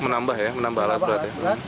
menambah ya menambah alat berat ya